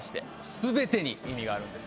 全てに意味があるんです。